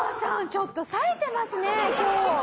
ちょっとさえてますね今日！